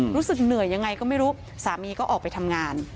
รู้สึกเหนื่อยยังไงก็ไม่รู้สามีก็ออกไปทำงาน